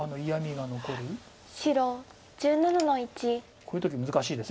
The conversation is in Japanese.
こういう時難しいです。